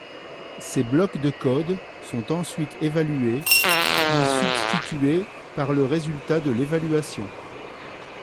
Ces blocs de code sont ensuite évalués, puis substitués par le résultat de l'évaluation.